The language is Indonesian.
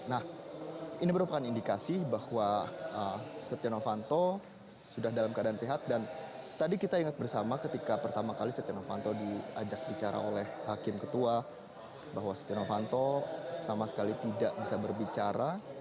nah ini merupakan indikasi bahwa setia novanto sudah dalam keadaan sehat dan tadi kita ingat bersama ketika pertama kali setia novanto diajak bicara oleh hakim ketua bahwa setia novanto sama sekali tidak bisa berbicara